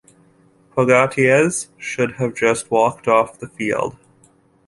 Pogatetz should have just walked off the field.